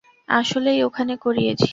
আসলেই ওখানে করিয়েছি।